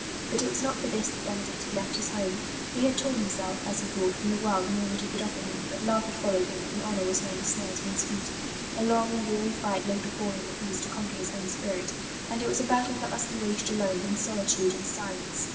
But it was not for this that Benedict had left his home. He had torn himself, as he thought, from the world and all that it could offer him; but love had followed him, and honour was laying snares for his feet. A long and weary fight lay before him if he was to conquer his own spirit, and it was a battle that must be waged alone, in solitude and silence.